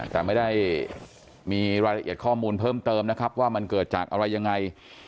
แต่ไม่ได้มีรายละเอียดข้อมูลเพิ่มเติมนะครับว่ามันเกิดจากอะไรยังไง